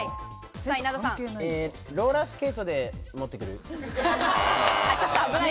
ローラースケートで持ってくる。